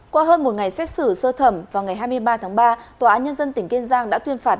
qua hơn một ngày xét xử sơ thẩm vào ngày hai mươi ba tháng ba tòa án nhân dân tỉnh kiên giang đã tuyên phạt